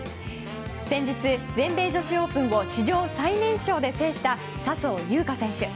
先日、全米女子オープンを史上最年少で制した笹生優花選手。